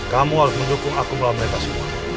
kamu harus mendukung aku melawan mereka semua